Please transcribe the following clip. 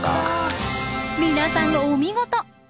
皆さんお見事！